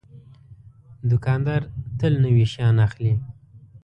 دوکاندار تل نوي شیان اخلي.